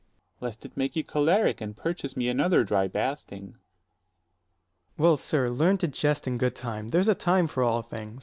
60 Dro. S. Lest it make you choleric, and purchase me another dry basting. Ant. S. Well, sir, learn to jest in good time: there's a time for all things.